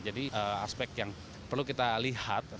jadi aspek yang perlu kita lihat